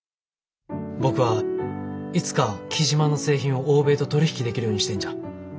僕はいつか雉真の製品を欧米と取り引きできるようにしたいんじゃ。